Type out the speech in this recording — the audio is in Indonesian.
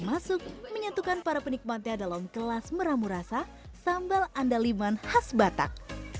masuk menyatukan para penikmatnya dalam kelas meramu rasa sambal andaliman khas batak